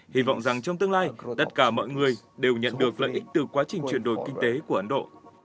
hy vọng rằng trong tương lai tất cả mọi người đều nhận được lợi ích từ quá trình chuyển đổi kinh tế của ấn độ